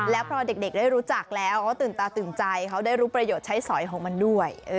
แล้วพอเด็กได้รู้จักแล้วเขาตื่นตาตื่นใจเขาได้รู้ประโยชน์ใช้สอยของมันด้วย